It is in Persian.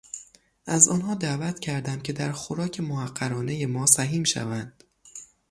از آنها دعوت کردم که در خوراک محقرانهی ما سهیم شوند.